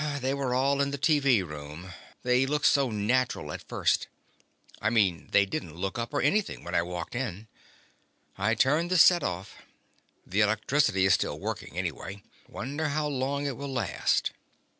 "They were all in the TV room. They looked so natural at first; I mean, they didn't look up or anything when I walked in. I turned the set off. The electricity is still working anyway. Wonder how long it will last?"